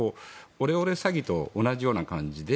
オレオレ詐欺と同じような感じで。